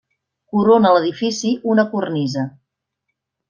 Corona l'edifici una cornisa.